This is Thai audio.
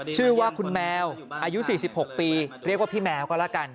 ชื่อว่าคุณแมวอายุ๔๖ปีเรียกว่าพี่แมวก็แล้วกัน